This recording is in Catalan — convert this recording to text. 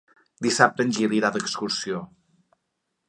Dissabte en Gil irà d'excursió.